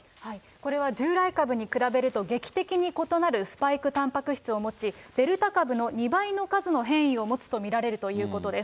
これは従来株に比べると、劇的に異なるスパイクたんぱく質を持ち、デルタ株の２倍の数の変異を持つと見られるということです。